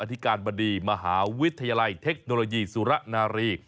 ธิการบดีมหาวิทยาลัยเทคโนโลยีสุรนารี